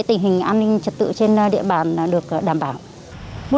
tình hình an ninh trật tự trên địa bàn được đảm bảo